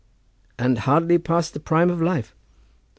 "And hardly past the prime of life!"